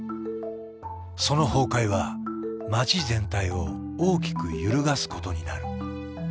その崩壊は街全体を大きく揺るがすことになる。